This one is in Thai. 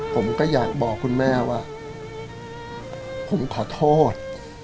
ผมก็อยากบอกคุณแม่ว่าผมขอโทษ